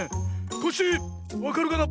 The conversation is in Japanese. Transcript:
コッシーわかるかな？